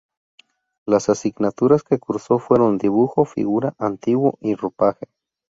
Las asignaturas que cursó fueron Dibujo, Figura, Antiguo y Ropaje.